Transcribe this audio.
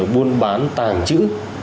buôn bán tàng trữ